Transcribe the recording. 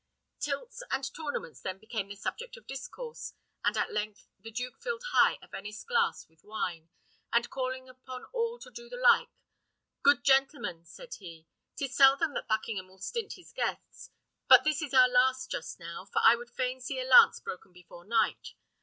Tilts and tournaments then became the subject of discourse; and at length the duke filled high a Venice glass with wine, and calling upon all to do the like, "Good gentlemen," said he, "'tis seldom that Buckingham will stint his guests, but this is our last just now, for I would fain see a lance broken before night.